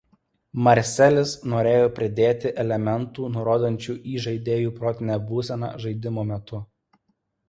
Marcelis norėjo pridėti elementų nurodančių į žaidėjų protinę būseną žaidimo metu.